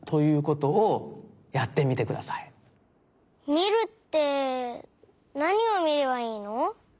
みるってなにをみればいいの？